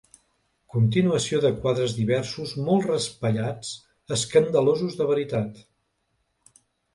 Continuació de quadres diversos molt raspallats, escandalosos de veritat.